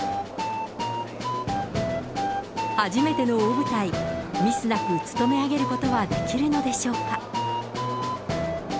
初めての大舞台、ミスなく務めあげることはできるのでしょうか。